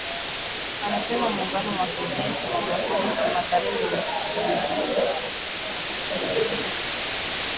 amesema muungano wa kijeshi wa mataifa ya magharibi hautaingilia machafuko yanayoendelea